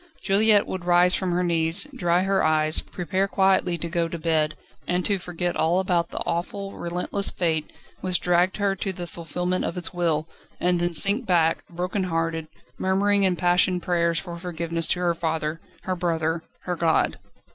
Juliette would rise from her knees, dry her eyes, prepare quietly to go to bed, and to forget all about the awful, relentless Fate which dragged her to the fulfilment of its will, and then sink back, broken hearted, murmuring impassioned prayers for forgiveness to her father, her brother, her God.